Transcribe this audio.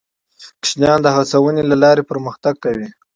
ماشومان د هڅونې له لارې پرمختګ کوي